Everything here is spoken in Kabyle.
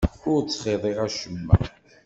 Ur ttxiḍiɣ acemma.